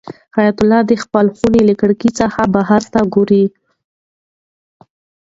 حیات الله د خپلې خونې له کړکۍ څخه بهر ته ګوري.